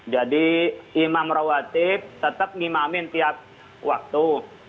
jadi imam rawatib tetap ngimamin tiap waktu